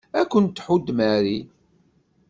Ad kent-tḥudd Mary.